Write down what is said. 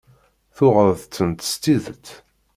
Tuɣeḍ-tent s tidet.